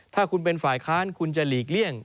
ถ้าคุณเป็นฝ่ายค้านคุณจะหลีกเลี่ยง